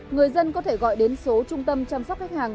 người dân có thể gọi đến số trung tâm chăm sóc khách hàng